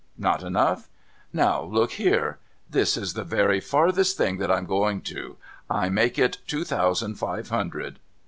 Not enough ? Now look here. This is the very furthest that I'm a going to. I'll make it two thousand five hundred.